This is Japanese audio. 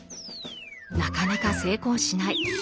なかなか成功しない。